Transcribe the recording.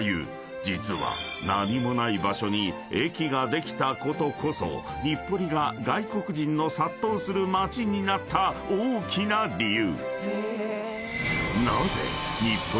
［実は何もない場所に駅ができたことこそ日暮里が外国人の殺到する街になった大きな理由］